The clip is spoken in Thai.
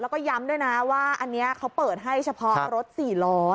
แล้วก็ย้ำด้วยนะว่าอันนี้เขาเปิดให้เฉพาะรถ๔ล้อ